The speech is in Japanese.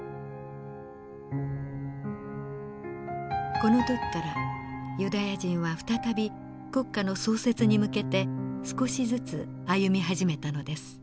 この時からユダヤ人は再び国家の創設に向けて少しずつ歩み始めたのです。